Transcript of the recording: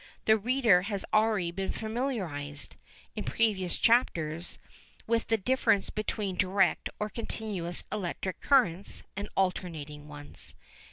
The reader has already been familiarised, in previous chapters, with the difference between direct or continuous electric currents and alternating ones.